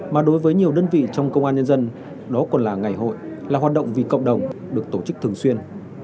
mà đối với nhiều đơn vị trong công an nhân dân đó còn là ngày hội là hoạt động vì cộng đồng được tổ chức thường xuyên